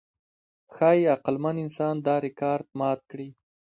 ښایي عقلمن انسان دا ریکارډ مات نهکړي.